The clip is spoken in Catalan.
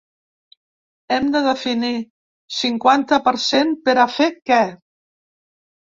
Hem de definir: cinquanta per cent per a fer què?